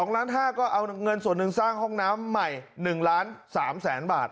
๒๕๐๐๐๐๐บาทก็เอาเงินส่วนหนึ่งสร้างห้องน้ำใหม่๑๓๐๐๐๐๐บาท